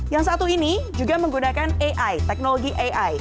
yang satu ini juga menggunakan ai teknologi ai